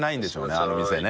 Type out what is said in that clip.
あの店ね。